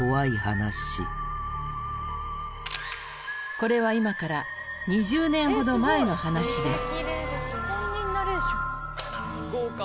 これは今から２０年ほど前の話です